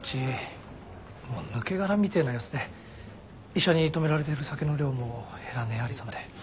もう抜け殻みてえな様子で医者に止められてる酒の量も減らねえありさまで。